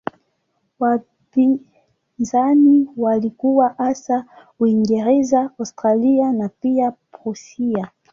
Wapinzani walikuwa hasa Uingereza, Austria na pia Prussia.